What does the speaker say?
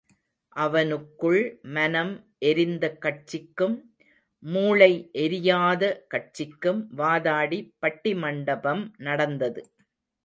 அவனுக்குள் மனம் எரிந்த கட்சிக்கும், மூளை எரியாத கட்சிக்கும் வாதாடி பட்டி மண்டபம் நடந்தது.